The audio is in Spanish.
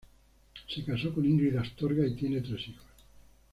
Se casó con Ingrid Astorga y tienen tres hijos.